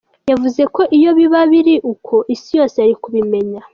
Yavuze ko iyo biba biri uko, isi yose yari kubimenya.